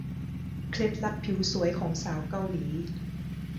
เคล็ดลับผิวสวยของสาวเกาหลี